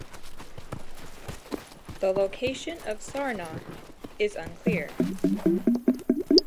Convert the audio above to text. The location of Sarnau is unclear.